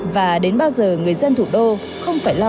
và đến bao giờ người dân thủ đô không phải lo